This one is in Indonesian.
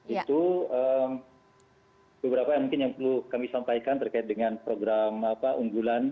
itu beberapa mungkin yang perlu kami sampaikan terkait dengan program unggulan